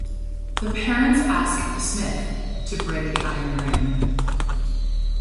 The parents ask the smith to break the iron ring.